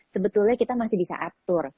sebetulnya kita masih bisa atur